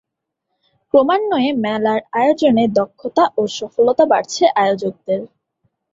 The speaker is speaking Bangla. ক্রমান্বয়ে মেলার আয়োজনে দক্ষতা ও সফলতা বাড়ছে আয়োজকদের।